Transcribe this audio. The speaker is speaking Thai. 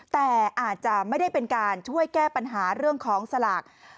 แต่อาจจะไม่ได้เป็นการช่วยแก้ปัญหาเรื่องของสลาก